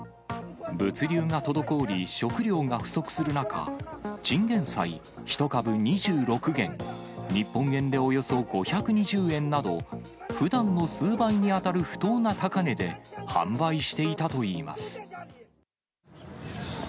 物流が滞り、食料が不足する中、チンゲン菜１株２６元、日本円でおよそ５２０円など、ふだんの数倍に当たる不当な高値で販売していたといいます。